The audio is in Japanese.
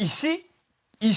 石！？